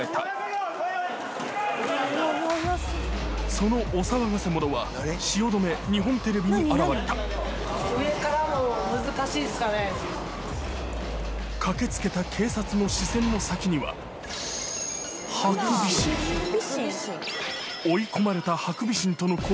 そのお騒がせものはに現れた駆け付けた警察の視線の先には追い込まれたハクビシンとのうわ！